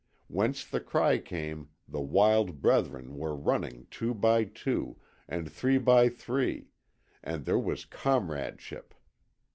Whence the cry came the wild brethren were running two by two, and three by three, and there was COMRADESHIP.